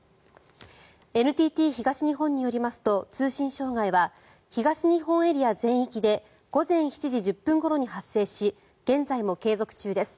ＮＴＴ東日本によりますと通信障害は東日本エリア全域で午前７時１０分ごろに発生し現在も継続中です。